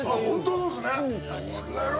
本当ですね。